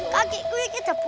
kaki gue ini debu